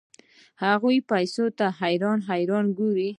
هغه پیسو ته حیران حیران ګوري.